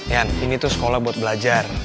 yan ini tuh sekolah buat belajar